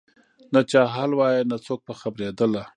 نه چا حال وایه نه څوک په خبرېدله